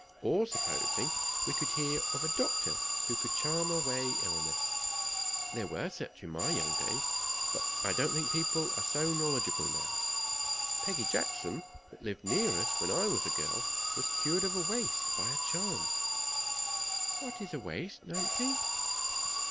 "Or supposing we could hear of a doctor who could charm away illness. There were such in my young days; but I don't think people are so knowledgeable now. Peggy Jackson, that lived near us when I was a girl, was cured of a waste by a charm." "What is a waste, Nancy?"